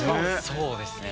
そうですね